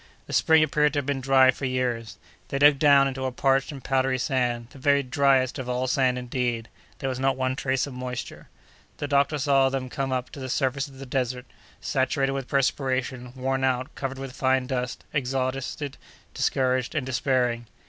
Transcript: The spring appeared to have been dry for years. They dug down into a parched and powdery sand—the very dryest of all sand, indeed—there was not one trace of moisture! The doctor saw them come up to the surface of the desert, saturated with perspiration, worn out, covered with fine dust, exhausted, discouraged and despairing.